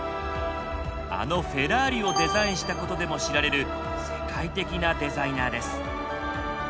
あのフェラーリをデザインしたことでも知られる世界的なデザイナーです。